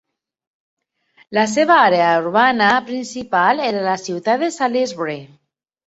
La seva àrea urbana principal era la ciutat de Salisbury.